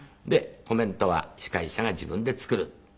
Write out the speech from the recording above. でコメントは司会者が自分で作る。